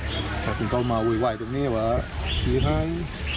เพราะฉะนั้นเขามาว่ายตรงนี้ว่าที่ไหน